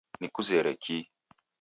Nikuzere kii